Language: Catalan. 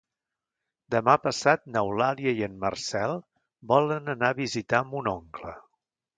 Demà passat n'Eulàlia i en Marcel volen anar a visitar mon oncle.